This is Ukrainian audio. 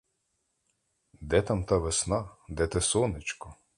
Де там та весна, де те сонечко!